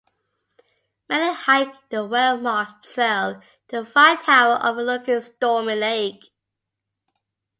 Many hike the well-marked trail to the fire tower overlooking Stormy Lake.